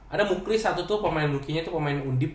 ada mukri satu tuh pemain rookie nya tuh pemain undip